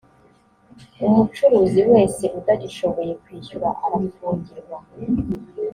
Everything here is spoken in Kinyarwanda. umucuruzi wese utagishoboye kwishyura arafungirwa